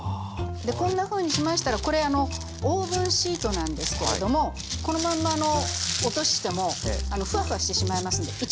こんなふうにしましたらこれオーブンシートなんですけれどもこのまんま落としてもふわふわしてしまいますので。